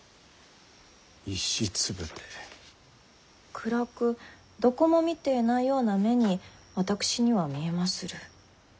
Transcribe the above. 暗くどこも見ていないような目に私には見えまする。